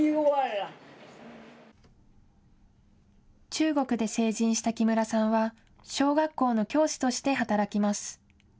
中国で成人した木村さんは小学校の教師として働きます。